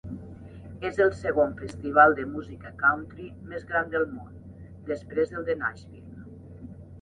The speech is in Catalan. És el segon festival de música country més gran del món, després del de Nashville.